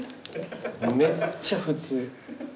めっちゃ普通。